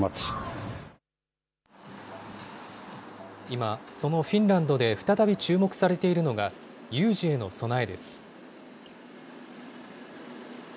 今、そのフィンランドで再び注目されているのが、有事への備えです。